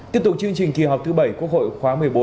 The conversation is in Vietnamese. tiếp tục chương trình kỳ họp thứ bảy quốc hội khóa một mươi bốn